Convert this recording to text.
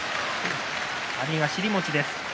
阿炎、尻餅です。